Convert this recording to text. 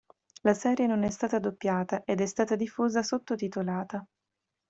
La serie non è stata doppiata ed è stata diffusa sottotitolata.